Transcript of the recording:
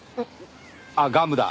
あっガムだ。